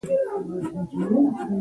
ترڅو مو خپله روښانفکري خپله نه وي کړي.